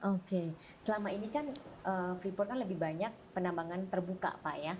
oke selama ini kan freeport kan lebih banyak penambangan terbuka pak ya